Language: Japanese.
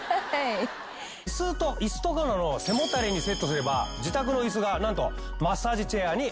椅子とかの背もたれにセットすれば自宅の椅子がなんとマッサージチェアに早変わり。